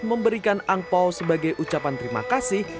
memberikan angpao sebagai ucapan terima kasih